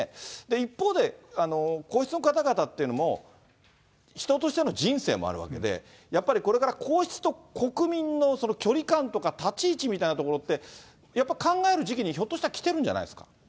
一方で、皇室の方々っていうのも、人としての人生もあるわけで、やっぱりこれから皇室と国民の距離感とか、立ち位置みたいなところって、やっぱ、考える時期に、ひょっとしたら来てるんじゃないですか。